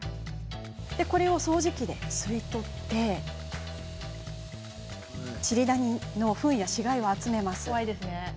掃除機で吸い取りチリダニのフンや死骸を集めます。